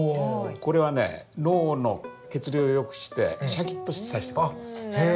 これはね脳の血流を良くしてシャキッとさせてくれます。